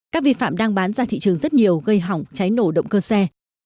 các vi phạm đang bán ra thị trường rất nhiều gây hỏng cháy nổ động cơ xe